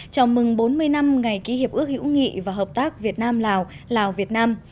chào mừng bốn mươi năm ngày ký hiệp ước hữu nghị và hợp tác việt nam lào lào việt nam